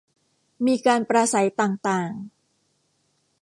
มีการปราศรัยต่างต่าง